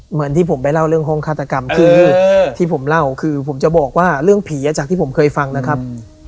เหมือนที่ผมไปเล่าเรื่องห้องฆาตกรรมคือที่ผมเล่าคือผมจะบอกว่าเรื่องผีจากที่ผมเคยฟังนะครับ